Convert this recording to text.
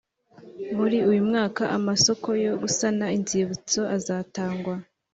Muri uyu mwaka amasoko yo gusana inzibutso azatangwa.